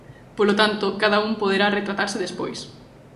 Polo tanto, cada un poderá retratarse despois.